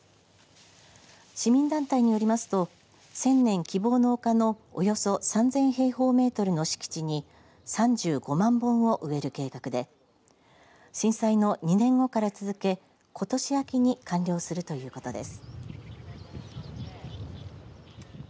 市民団体によりますと千年希望の丘のおよそ３０００平方メートルの敷地に３５万本を植える計画で震災の２年後から続けことし秋に完了するということです。